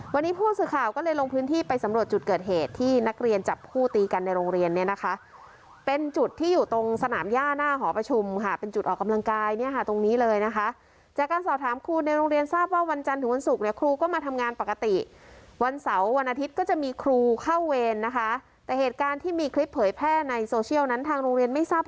มานัดเคลียร์ใจกันพูดคุยกันแต่ปรากฏว่าสุดท้ายไม่ได้คุยอย่างเดียว